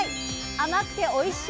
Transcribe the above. あまくておいしい！